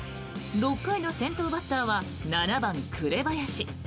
６回の先頭バッターは７番、紅林。